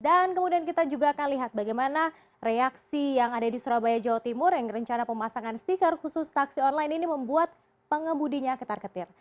dan kemudian kita juga akan lihat bagaimana reaksi yang ada di surabaya jawa timur yang rencana pemasangan stiker khusus taksi online ini membuat pengebudinya ketar ketir